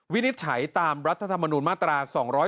วินิจฉัยตามรัฐธรรมนูญมาตรา๒๗